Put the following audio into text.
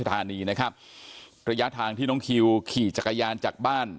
อำเภอส่องโลงจังหวัดีดูปรัชน์จะรถชะทานีนะครับ